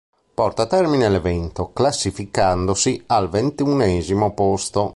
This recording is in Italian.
Porta a termine l'evento classificandosi al ventunesimo posto.